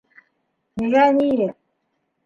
Не гони.